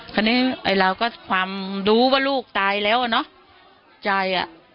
คราวนี้ไอ้เราก็ความรู้ว่าลูกตายแล้วอ่ะเนอะใจอ่ะ